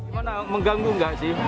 gimana mengganggu nggak sih